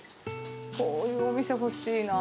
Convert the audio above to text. こういうお店欲しいな。